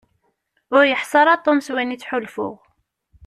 Ur yeḥsi ara Tom s wayen i ttḥulfuɣ.